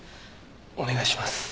お願いします。